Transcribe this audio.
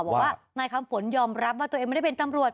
บอกว่านายคำฝนยอมรับว่าตัวเองไม่ได้เป็นตำรวจ